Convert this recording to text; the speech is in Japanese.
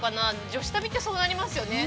女子旅って、そうなりますよね。